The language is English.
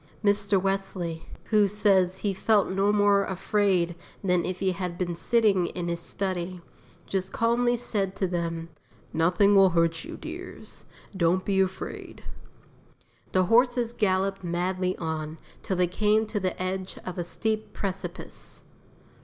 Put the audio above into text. Mr. Wesley, who says he felt no more afraid than if he had been sitting in his study, just calmly said to them: "Nothing will hurt you, dears; don't be afraid." The horses galloped madly on, till they came to the edge of a steep precipice.